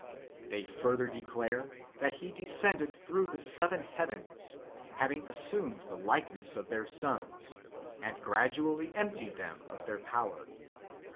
They further declare that he descended through the seven heavens, having assumed the likeness of their sons, and gradually emptied them of their power.